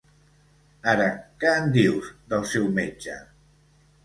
Ara, què en dius del seu metge?